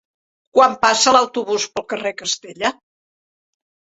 Quan passa l'autobús pel carrer Castella?